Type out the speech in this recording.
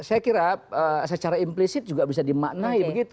saya kira secara implisit juga bisa dimaknai begitu